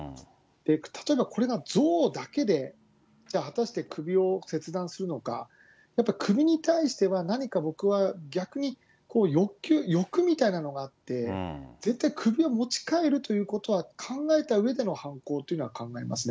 例えば、これが憎悪だけで、じゃあ、果たして首を切断するのか、やっぱり首に対しては僕は、逆に、欲みたいなのがあって、絶対首は持ち帰るということは考えたうえでの犯行というのは考えますね。